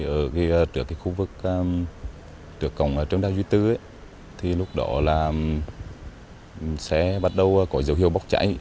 ở trước khu vực trước cổng ở trần đạo duy tư thì lúc đó là xe bắt đầu có dấu hiệu bốc cháy